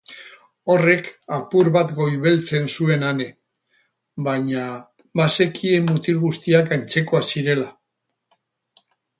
Horrek apur bat goibeltzen zuen Ane, baina bazekien mutil guztiak antzekoak zirela.